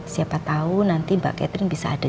siapa tahu nanti mbak catherine bisa ada